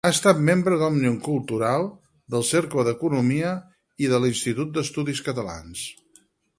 Ha estat membre d'Òmnium Cultural, del Cercle d'Economia i de l'Institut d'Estudis Catalans.